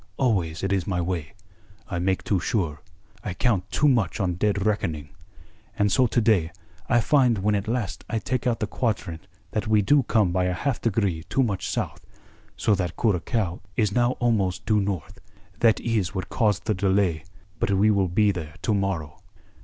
Always it is my way. I make too sure. I count too much on dead reckoning. And so to day I find when at last I take out the quadrant that we do come by a half degree too much south, so that Curacao is now almost due north. That is what cause the delay. But we will be there to morrow."